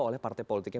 oleh partai politiknya